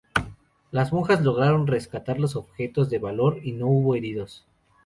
Las monjas lograron rescatar los objetos de valor y no hubo heridos.